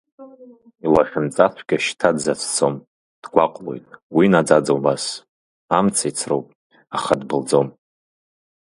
Илахьынҵацәгьа шьҭа дзацәцом, дгәаҟлоит уа наӡаӡа убас, амца ицроуп, аха дбылӡом…